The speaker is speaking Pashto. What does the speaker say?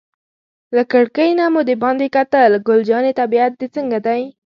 له کړکۍ نه مو دباندې کتل، ګل جانې طبیعت دې څنګه دی؟